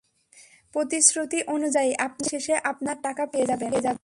প্রতিশ্রুতি অনুযায়ী, আপনি মাস শেষে আপনার টাকা পেয়ে যাবেন।